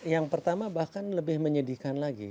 yang pertama bahkan lebih menyedihkan lagi